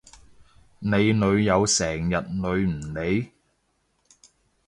你女友成日女唔你？